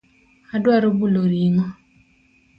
Adwaro bulo ring'o.